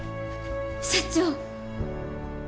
社長！